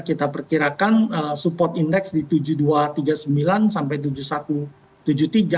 kita perkirakan support index di tujuh ribu dua ratus tiga puluh sembilan sampai tujuh ribu satu ratus tujuh puluh tiga